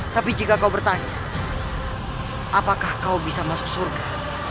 tapi jika kau bertanya apakah kau bisa masuk surga